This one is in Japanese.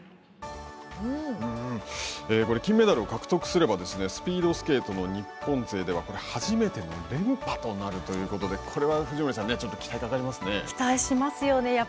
これ金メダルを獲得すればスピードスケートの日本勢では初めての連覇となるということでこれは藤森さん、ちょっと期待しますよね。